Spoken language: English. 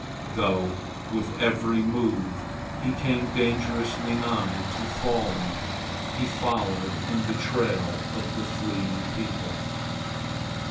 Though with every move he came dangerously nigh to falling, he followed in the trail of the fleeing people.